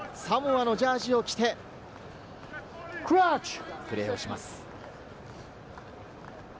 サモアのジャージーを着てプレーをします。